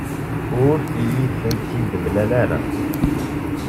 Ur iyi-tent-id-mlan ara.